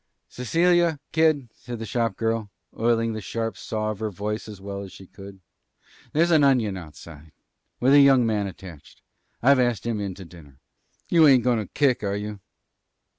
"Cecilia, kid," said the shop girl, oiling the sharp saw of her voice as well as she could, "there's an onion outside. With a young man attached. I've asked him in to dinner. You ain't going to kick, are you?"